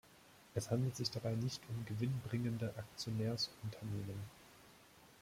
Es handelt sich dabei nicht um gewinnbringende Aktionärsunternehmen.